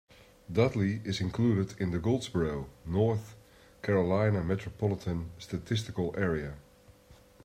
Dudley is included in the Goldsboro, North Carolina Metropolitan Statistical Area.